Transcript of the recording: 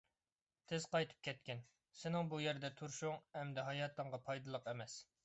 تېز قايتىپ كەتكىن، سېنىڭ بۇ يەردە تۇرۇشۇڭ ئەمدى ھاياتىڭغا پايدىلىق ئەمەس.